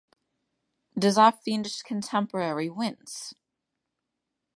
Does our fiendish contemporary wince?